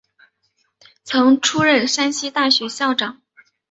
曾出任山西大学校长。